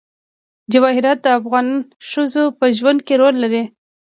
جواهرات د افغان ښځو په ژوند کې رول لري.